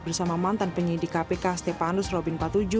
bersama mantan penyidik kpk stepanus robin patuju